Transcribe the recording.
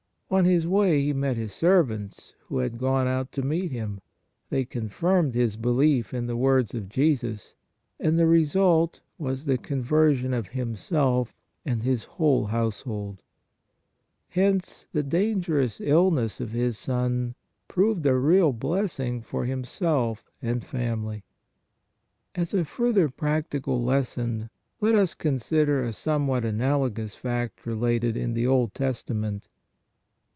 On his way he met his servants who had gone out to meet him; they confirmed his belief in the words of Jesus, and the result was the conversion of him THE RULER S SON 87 self and his whole household. Hence the danger ous illness of his son proved a real blessing for him self and family. As a further practical lesson let us consider a somewhat analogous fact related in the Old Testa ment.